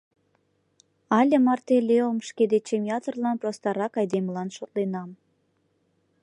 Але марте Леом шке дечем ятырлан простарак айдемылан шотленам.